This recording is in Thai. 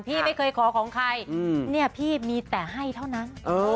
พี่มีแต่ให้เท่านั้น